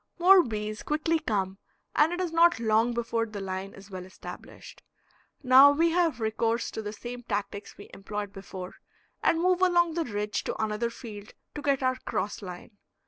More bees quickly come, and it is not long before the line is well established. Now we have recourse to the same tactics we employed before, and move along the ridge to another field to get our cross line.